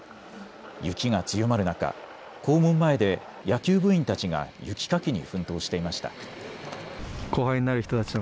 雪が強まる中、校門前で、野球部員たちが雪かきに奮闘していました。